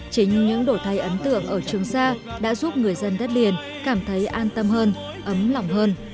chính những đổi thay ấn tượng ở trường sa đã giúp người dân đất liền cảm thấy an tâm hơn ấm lòng hơn